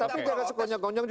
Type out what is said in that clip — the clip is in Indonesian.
tapi jangan sekonjong konjong